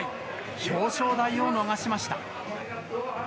表彰台を逃しました。